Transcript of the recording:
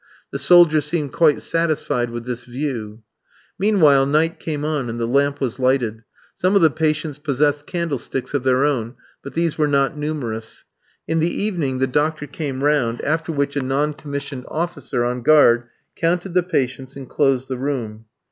The soldier seemed quite satisfied with this view. Meanwhile, night came on and the lamp was lighted; some of the patients possessed candlesticks of their own, but these were not numerous. In the evening the doctor came round, after which a non commissioned officer on guard counted the patients and closed the room.